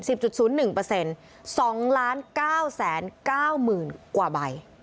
จุดศูนย์หนึ่งเปอร์เซ็นต์สองล้านเก้าแสนเก้าหมื่นกว่าใบ